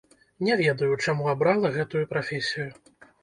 Не ведаю, чаму абрала гэтую прафесію.